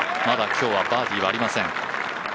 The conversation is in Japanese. まだ今日はバーディーはありません。